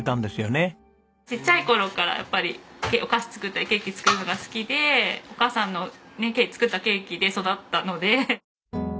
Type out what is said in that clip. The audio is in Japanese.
ちっちゃい頃からやっぱりお菓子作ったりケーキ作るのが好きでお母さんの作ったケーキで育ったので。